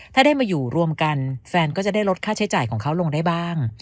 ถ้าได้มาอยู่รวมกันแฟนก็จะได้ลดค่าใช้จ่ายของเขาลงได้บ้าง